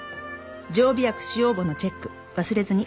「常備薬使用簿のチェック忘れずに！」